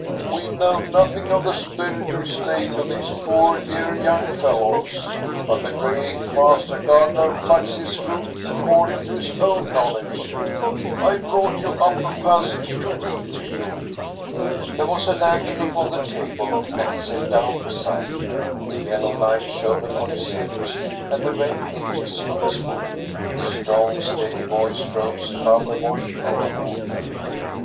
"We know nothing of the spiritual state of these poor dear young fellows, but the great Master Gardener plucks His fruit according to His own knowledge. I brought you up a passage to read to you." There was a lantern upon the table, and he sat down beside it. The yellow light shone upon his heavy cheek and the red edges of his book. The strong, steady voice rose above the wash of the water.